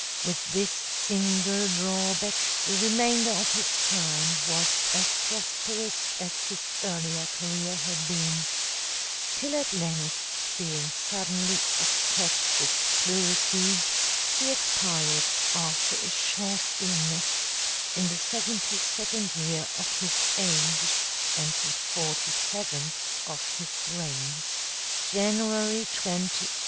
With this single drawback the remainder of his time was as prosperous as his earlier career had been; till at length, being suddenly attacked with pleurisy, he expired, after a short illness, in the seventy second year of his age and the forty seventh of his reign, January 28, 814.